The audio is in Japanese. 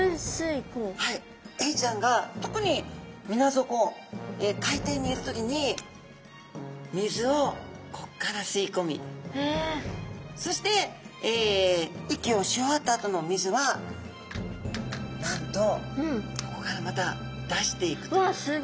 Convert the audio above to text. エイちゃんが特にみな底海底にいる時に水をこっからすいこみそして息をし終わったあとのお水はなんとここからまた出していくという。